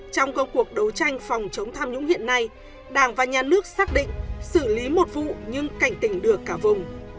trong công cuộc đấu tranh phòng chống tham nhũng hiện nay đảng và nhà nước xác định xử lý một vụ nhưng cảnh tỉnh được cả vùng